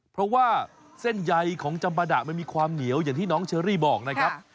เพราะว่าเส้นใยของจำปาดะมันมีความเหนียวอย่างที่น้องเชอรี่บอกนะครับ